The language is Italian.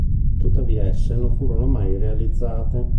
Tuttavia esse non furono mai realizzate.